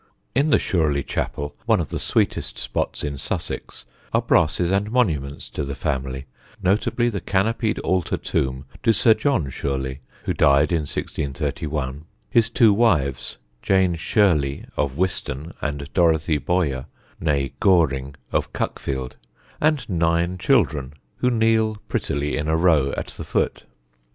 In the Shurley chapel, one of the sweetest spots in Sussex, are brasses and monuments to the family, notably the canopied altar tomb to Sir John Shurley, who died in 1631, his two wives (Jane Shirley of Wiston and Dorothy Bowyer, née Goring, of Cuckfield) and nine children, who kneel prettily in a row at the foot.